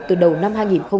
từ đầu năm hai nghìn hai mươi